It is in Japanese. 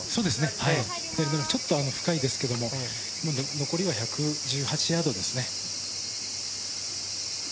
ちょっと深いですけど、残りは１１８ヤードですね。